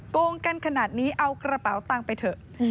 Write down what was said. โกงกันขนาดนี้เอากระเป๋าตังค์ไปเถอะ